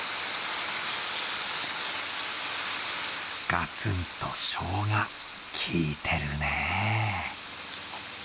ガツンとしょうが、効いてるね。